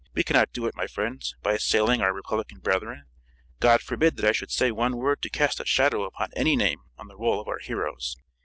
We cannot do it, my friends, by assailing our Republican brethren. God forbid that I should say one word to cast a shadow upon any name on the roll of our heroes.